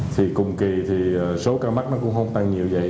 thì cùng kỳ thì số ca mắc nó cũng không tăng như vậy